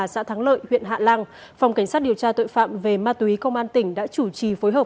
xã thắng lợi huyện hạ lan phòng cảnh sát điều tra tội phạm về ma túy công an tỉnh đã chủ trì phối hợp